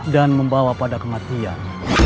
dan membawa pada kematian